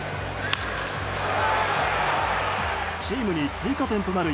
チームに追加点となる